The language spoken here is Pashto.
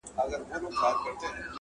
تا منلی راته جام وي د سرو لبو,